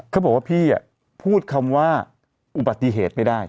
เขาบอกว่าพี่พูดคำว่าอุบัติเหตุไม่ได้